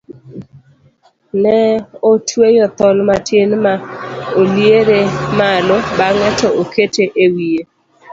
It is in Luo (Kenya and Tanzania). ne otweyo thol matin ma oliere malo bang'e to okete e wiye